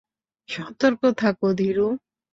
সতর্ক থাকো, ধীরু।